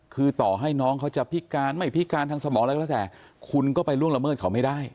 คือต่อให้น้องเขาจะพิการไม่พิการทางสมองอะไรก็แล้วแต่คุณก็ไปล่วงละเมิดเขาไม่ได้